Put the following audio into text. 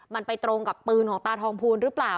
มันไปตรงกับปืนของตาทองภูลหรือเปล่า